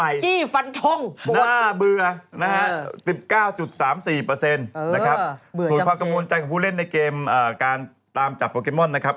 แอ้งจี้ฟันทงโบดน่าเบื่อ๑๙๓๔ถูกความกังวลใจของผู้เล่นในเกมการตามจับโปรเคมอนนะครับ